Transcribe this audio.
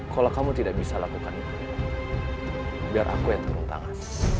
kalau kamu tidak bisa lakukan itu biar aku yang turun tangan